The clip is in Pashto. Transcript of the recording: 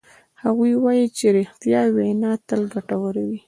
هغوی وایي چې ریښتیا وینا تل ګټوره وی